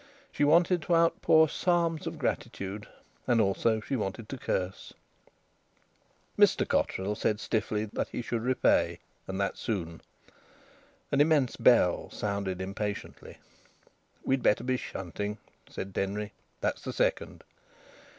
She wanted to outpour psalms of gratitude, and also she wanted to curse. Mr Cotterill said stiffly that he should repay and that soon. An immense bell sounded impatiently. "We'd better be shunting," said Denry. "That's the second."